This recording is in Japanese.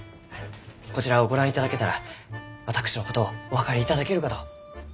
こちらをご覧いただけたら私のことをお分かりいただけるかと。